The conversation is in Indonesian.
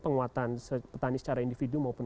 penguatan petani secara individu maupun